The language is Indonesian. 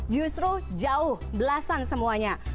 justru jauh belasan semuanya